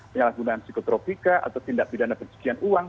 penyalahgunaan psikotropika atau tindak pidana pencucian uang